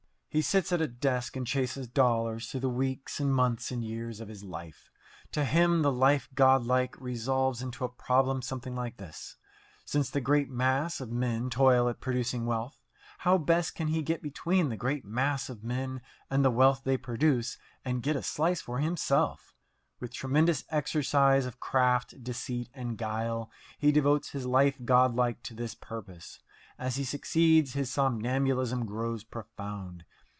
He sits at a desk and chases dollars through the weeks and months and years of his life. To him the life godlike resolves into a problem something like this: Since the great mass of men toil at producing wealth, how best can he get between the great mass of men and the wealth they produce, and get a slice for himself? With tremendous exercise of craft, deceit, and guile, he devotes his life godlike to this purpose. As he succeeds, his somnambulism grows profound.